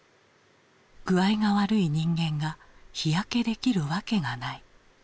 具合が悪い人間が日焼けできるわけがない。